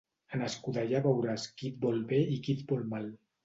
En escudellar veuràs qui et vol bé i qui et vol mal.